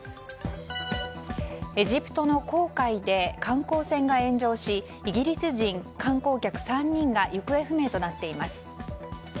エジプトの紅海で観光船が炎上しイギリス人観光客３人が行方不明となっています。